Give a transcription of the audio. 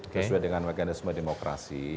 sesuai dengan mekanisme demokrasi